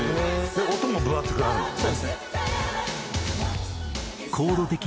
「音も分厚くなるもんね」